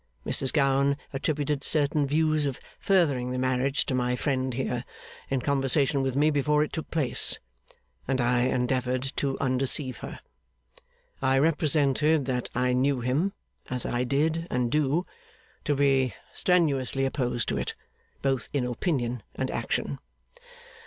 Mrs Gowan attributed certain views of furthering the marriage to my friend here, in conversation with me before it took place; and I endeavoured to undeceive her. I represented that I knew him (as I did and do) to be strenuously opposed to it, both in opinion and action.